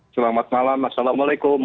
selamat malam assalamualaikum